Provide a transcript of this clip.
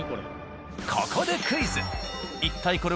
ここでクイズ。